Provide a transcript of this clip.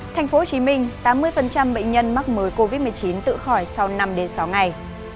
thành phố hồ chí minh tám mươi bệnh nhân mắc mới covid một mươi chín tự khỏi sau năm đến sáu ngày